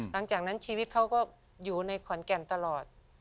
หลังจากนั้นชีวิตเขาก็อยู่ในขอนแก่นตลอด